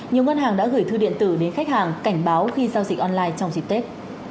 nhiều ngân hàng đã gửi thư điện tử đến khách hàng cảnh báo khi giao dịch online trong dịp tết